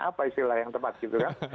apa istilah yang tepat gitu kan